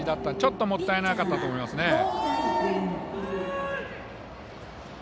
ちょっともったいなかったと思いますね。